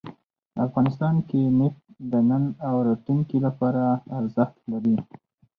افغانستان کې نفت د نن او راتلونکي لپاره ارزښت لري.